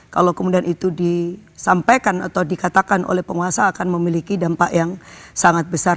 kalau kemudian itu disampaikan atau dikatakan oleh penguasa akan memiliki dampak yang sangat besar